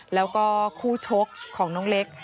แล้วก็คู่ชกของน้องเล็ก